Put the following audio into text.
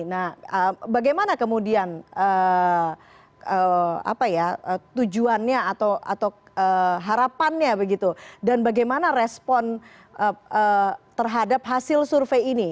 nah bagaimana kemudian tujuannya atau harapannya begitu dan bagaimana respon terhadap hasil survei ini